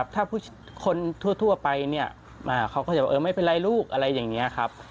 ถ้าคนทั่วไปเนี่ยเขาก็จะว่าไม่เป็นไรลูกอะไรอย่างนี้ครับ